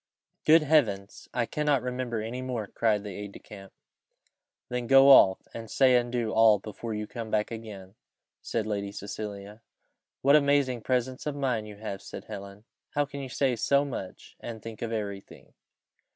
"Good Heavens! I cannot remember any more," cried the aide de camp. "Then go off, and say and do all that before you come back again," said Lady Cecilia. "What amazing presence of mind you have!" said Helen. "How can you say so much, and think of every thing!"